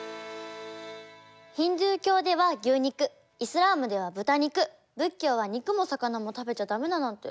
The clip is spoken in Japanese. ヒンドゥー教では牛肉イスラームでは豚肉仏教は肉も魚も食べちゃダメだなんて。